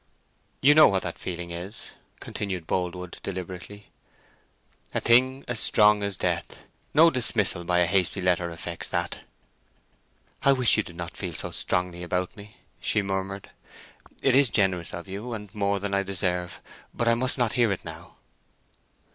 "You know what that feeling is," continued Boldwood, deliberately. "A thing strong as death. No dismissal by a hasty letter affects that." "I wish you did not feel so strongly about me," she murmured. "It is generous of you, and more than I deserve, but I must not hear it now."